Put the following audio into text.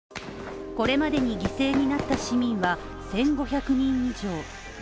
これまでに犠牲になった市民は１５００人以上。